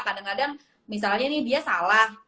kadang kadang misalnya nih dia salah